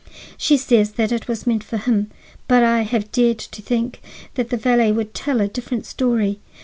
She says that it was meant for him, but I have dared to think that the valet would tell a different story.